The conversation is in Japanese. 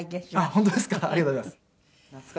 本当ですか？